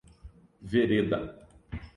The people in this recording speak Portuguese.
Vereda